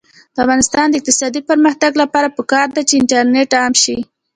د افغانستان د اقتصادي پرمختګ لپاره پکار ده چې انټرنیټ عام شي.